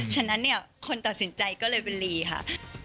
ฉะนั้นเนี่ยคนตัดสินใจก็เลยเป็นลีค่ะ